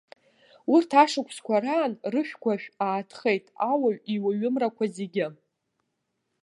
Урҭ ашықәсқәа раан рышәгәашә аатхеит ауаҩ иуаҩымрақәа зегьы.